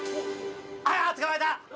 あ捕まえた！